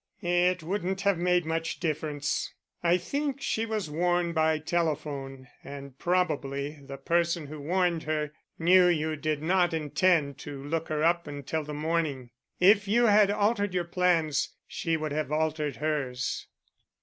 "It wouldn't have made much difference: I think she was warned by telephone, and probably the person who warned her knew you did not intend to look her up until the morning. If you had altered your plans she would have altered hers."